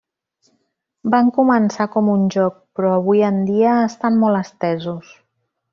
Van començar com un joc, però avui en dia estan molt estesos.